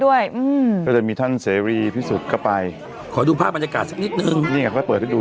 ด้วยหละครับใบมีท่านซีไอลีพิสูจน์ก็ไปขอดูภาพบรรยากาศนิดนึงนี่ยังเอง